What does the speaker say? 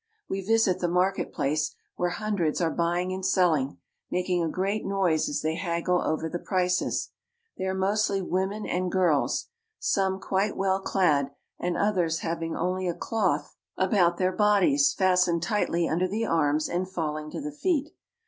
We visit the market place, where hundreds are L ^uying and selling, making a great noise as they haggle r the prices. They are mostly women and girls, some uite well clad and others having only a cloth about their 2o6 ^ AFRICA bodies fastened tightly under the arms and falling to the feet.